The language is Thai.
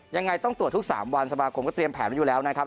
ยังไงต้องตรวจทุก๓วันสมาคมก็เตรียมแผนไว้อยู่แล้วนะครับ